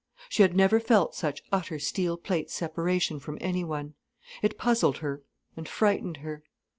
She had never felt such utter steel plate separation from anyone. It puzzled her and frightened her.